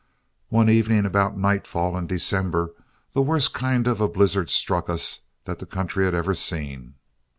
One evening about nightfall in December, the worst kind of a blizzard struck us that the country had ever seen.